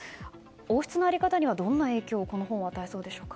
王室の在り方にはどんな影響をこの本は与えそうですか。